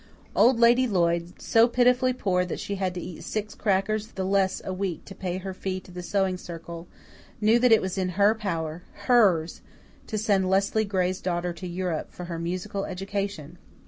Old Lady Lloyd, so pitifully poor that she had to eat six crackers the less a week to pay her fee to the Sewing Circle, knew that it was in her power HERS to send Leslie Gray's daughter to Europe for her musical education!